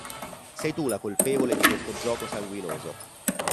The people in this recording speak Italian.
Sei tu la colpevole di questo gioco sanguinoso.